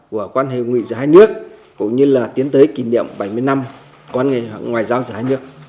của quan hệ hữu nghị giữa hai nước cũng như là tiến tới kỷ niệm bảy mươi năm quan hệ ngoại giao giữa hai nước